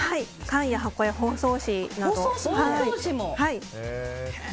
缶や箱や包装紙など。